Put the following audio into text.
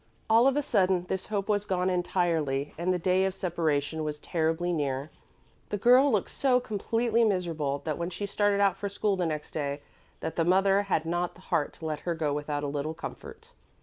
All of a sudden this hope was gone entirely, and the day of separation was terribly near. The girl looked so completely miserable when she started out for school next day that the mother had not the heart to let her go without a little comfort.